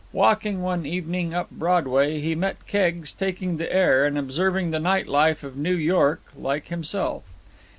Walking one evening up Broadway, he met Keggs taking the air and observing the night life of New York like himself.